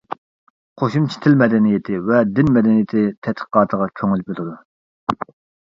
قوشۇمچە تىل مەدەنىيىتى ۋە دىن مەدەنىيىتى تەتقىقاتىغا كۆڭۈل بۆلىدۇ.